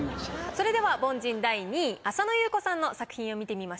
それでは凡人第２位浅野ゆう子さんの作品を見てみましょう。